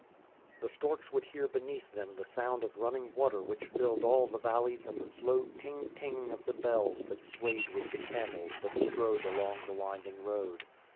The storks would hear beneath them the sound of running water which filled all the valleys and the slow ting ting of the bells that swayed with the camels that strode along the winding road.